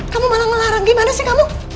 kamu malah ngelarang gimana sih kamu